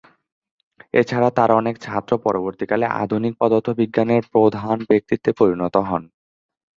এছাড়া তার অনেক ছাত্র পরবর্তীকালে আধুনিক পদার্থবিজ্ঞানের প্রধান ব্যক্তিত্বে পরিণত হন।